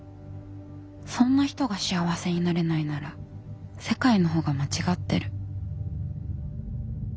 そんな人が幸せになれないなら世界の方が間違ってる。